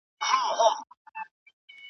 زه له بویه د باروتو ترهېدلی .